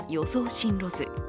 進路図。